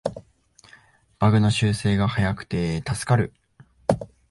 バグの修正が早くて助かる